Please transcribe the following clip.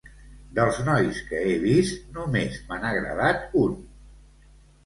Dels nois que he vist, només me n'ha agradat un.